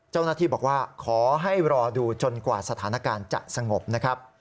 เจ้าหน้าที่บอกว่าขอให้รอดูจนกว่าสถานการณ์จะสงบนะครับ